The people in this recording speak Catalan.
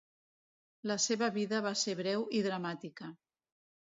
La seva vida va ser breu i dramàtica.